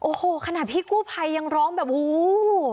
โอ้โฮขณะพี่กูภัยยังร้องแบบว้าว